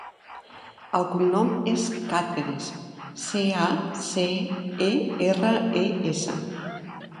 El cognom és Caceres: ce, a, ce, e, erra, e, essa.